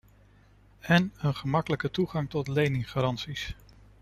En een gemakkelijke toegang tot leninggaranties.